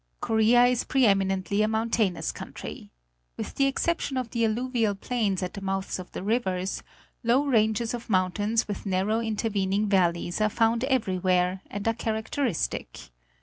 Korea is preéminently a mountainous country. With the ex ception of the alluvial plains at the mouths of the rivers, low ranges of mountains with narrow intervening valleys are found everywhere, and are characteristic.